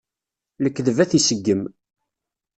Lekdeb ad t-iseggem.